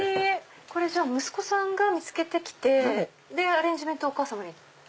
これ息子さんが見つけて来てアレンジメントをお母様に？